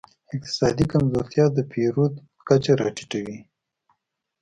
اقتصادي کمزورتیا د پیرود کچه راټیټوي.